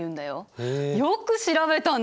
よく調べたね！